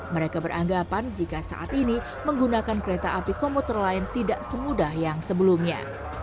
mereka beranggapan jika saat ini menggunakan kereta api komuter lain tidak semudah yang sebelumnya